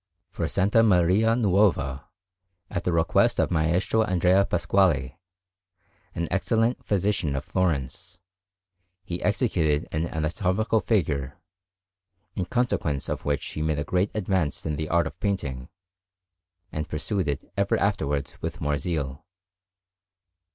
For S. Maria Nuova, at the request of Maestro Andrea Pasquali, an excellent physician of Florence, he executed an anatomical figure, in consequence of which he made a great advance in the art of painting, and pursued it ever afterwards with more zeal.